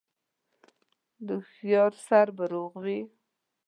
د هوښيار سر به روغ و